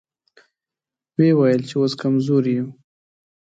ويې ويل چې اوس کمزوري يو.